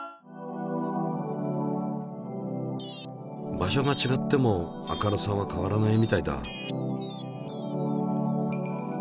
場所がちがっても明るさは変わらないみたいだ。